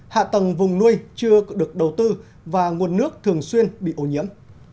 hạ tầng vùng nuôi chưa được đầu tư và nguồn nước thường xuyên bị ô nhiễm